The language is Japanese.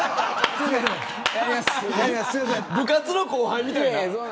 部活の後輩みたい。